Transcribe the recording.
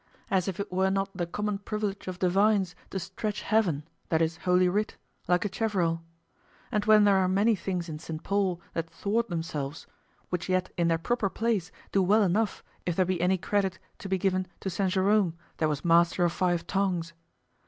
As if it were not the common privilege of divines to stretch heaven, that is Holy Writ, like a cheverel; and when there are many things in St. Paul that thwart themselves, which yet in their proper place do well enough if there be any credit to be given to St. Jerome that was master of five tongues.